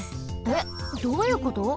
えっ？どういうこと？